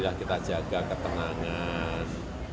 tidak kita jaga ketenangan